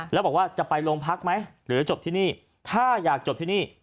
แล้วบอกว่าจะไปโรงพักไหมหรือจบที่นี่ถ้าอยากจบที่นี่